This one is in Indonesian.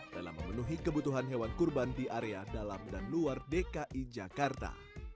dalam memenuhi kebutuhan hewan kurban di area dalam dan luar dki jakarta